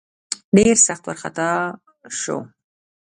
ډېر سخت وارخطا سو.